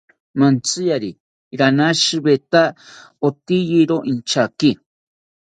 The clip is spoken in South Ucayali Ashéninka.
Mantziyari ranashitaweta oteyiro inchaki